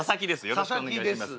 よろしくお願いします。